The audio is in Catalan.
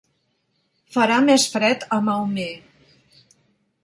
farà més fred a Maumee